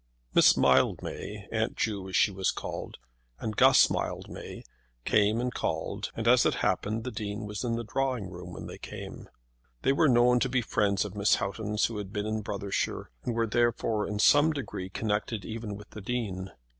Miss Mildmay, Aunt Ju as she was called, and Guss Mildmay came and called, and as it happened the Dean was in the drawing room when they came. They were known to be friends of Mrs. Houghton's who had been in Brothershire, and were therefore in some degree connected even with the Dean.